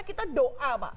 kita doa pak